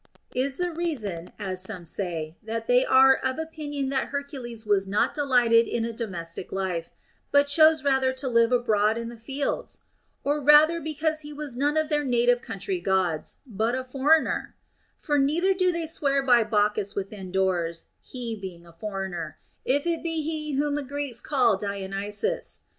Is the reason (as some say) that they are of opinion that Hercules was not delighted in a domestic life, but chose rather to live abroad in the fields X Or rather because he was none of their native country Gods, but a foreigner I For neither do they swear by Bacchus within doors, he being a foreigner, if it be he whom the Greeks call Dionysus.